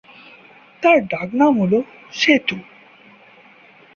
তার ডাক নাম হলো সেতু।